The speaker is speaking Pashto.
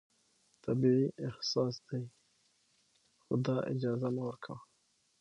طبیعي احساس دی، خو دا اجازه مه ورکوه